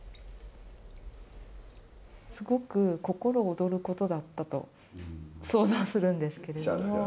すごく心躍ることだったと想像するんですけれども。